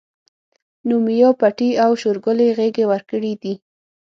نو ميا پټي او شورګلې غېږې ورکړي دي